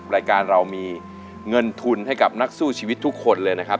รายการเรามีเงินทุนให้กับนักสู้ชีวิตทุกคนเลยนะครับ